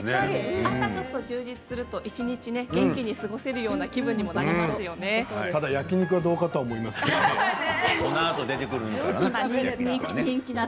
朝がちょっと充実すると一日元気に過ごせるような気分にただ、焼き肉はどうかとこのあと出てくるのかな。